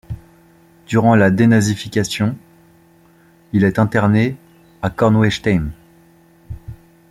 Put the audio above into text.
Durant la dénazification, il est interné à Kornwestheim.